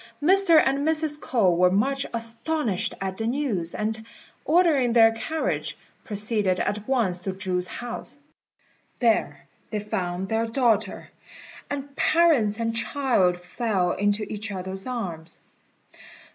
Mr. and Mrs. K'ou were much astonished at the news, and, ordering their carriage, proceeded at once to Chu's house. There they found their daughter, and parents and child fell into each other's arms.